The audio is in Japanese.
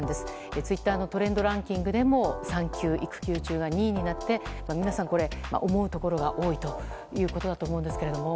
ツイッターのトレンドランキングでも産休・育休中が２位になって皆さん、これに思うところが多いということだと思いますが。